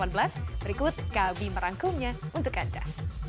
berikut kami merangkumnya untuk anda